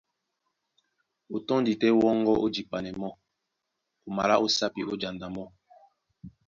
O tɔ́ndi tɛ́ wɔ́ŋgɔ́ ó jipanɛ mɔ́, o malá ó sápi, ó janda mɔ́.